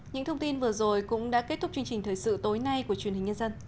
những thông tin vừa rồi cũng đã kết thúc chương trình thời sự tối nay của truyền hình nhân dân